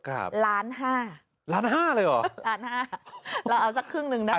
ครับล้านห้าล้านห้าเลยเหรอล้านห้าเราเอาสักครึ่งหนึ่งนะคะ